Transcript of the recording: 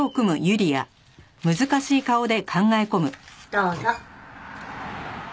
どうぞ。